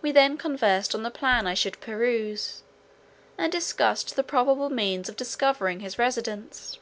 We then conversed on the plan I should pursue, and discussed the probable means of discovering his residence.